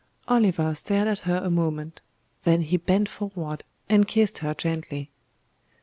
Oliver stared at her a moment; then he bent forward and kissed her gently.